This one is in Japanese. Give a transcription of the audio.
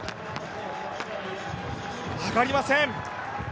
上がりません。